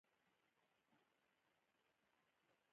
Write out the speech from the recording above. ازادي راډیو د د اوبو منابع په اړه پراخ بحثونه جوړ کړي.